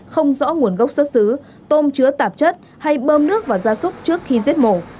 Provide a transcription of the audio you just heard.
không rõ nguồn gốc xuất xứ tôm chứa tạp chất hay bơm nước và gia súc trước khi giết mổ